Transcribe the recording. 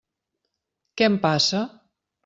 Què em passa?